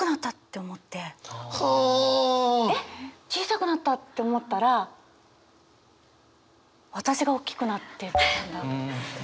えっ小さくなったって思ったら私が大きくなってたんだと思って。